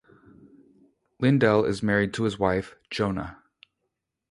Lindell is married to his wife Johna.